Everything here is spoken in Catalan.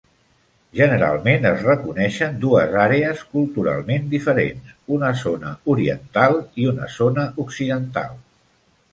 Generalment es reconeixen dues àrees culturalment diferents, una zona oriental i una zona occidental.